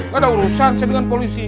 gak ada urusan saya dengan polisi